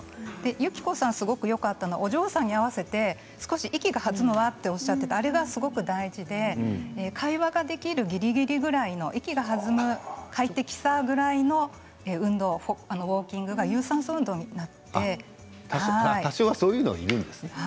ゆきこさん、すごくよかったのはお嬢さんに合わせて少し息が弾むんだとおっしゃっていてあれがすごく大事で会話ができるぎりぎりぐらい息が弾んで快適さぐらいの運動、ウォーキングが多少はそういうのがいるんですね。